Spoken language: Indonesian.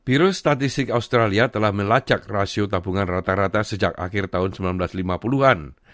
virus statistik australia telah melacak rasio tabungan rata rata sejak akhir tahun seribu sembilan ratus lima puluh an